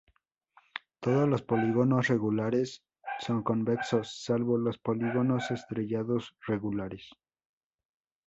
Todos los polígonos regulares son convexos, salvo los polígonos estrellados regulares.